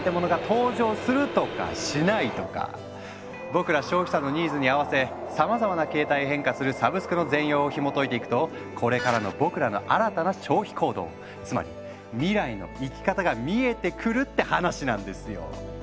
僕ら消費者のニーズに合わせさまざまな形態へ変化するサブスクの全容をひもといていくとこれからの僕らの新たな消費行動つまり未来の生き方が見えてくるって話なんですよ！